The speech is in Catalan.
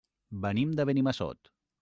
Venim de Benimassot.